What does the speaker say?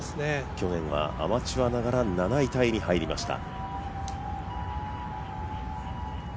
去年はアマチュアながら７位タイに入りました。